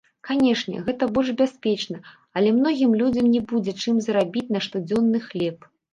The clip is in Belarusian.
Канешне, гэта больш бяспечна, але многім людзям не будзе, чым зарабіць на штодзённы хлеб.